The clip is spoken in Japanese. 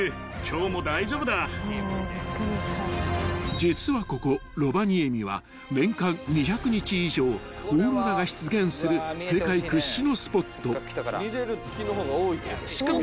［実はここロヴァニエミは年間２００日以上オーロラが出現する世界屈指のスポット］しかも。